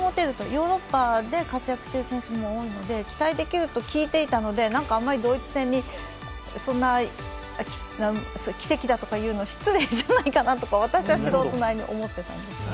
ヨーロッパで活躍している選手も多いので期待できると聞いていたのであまりドイツ戦にそんな奇跡だとかいうの失礼じゃないかなと私は素人なりに思っていたんですけど。